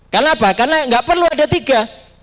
kenapa karena nggak perlu ada tiga